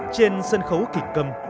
trên sân khấu kịch câm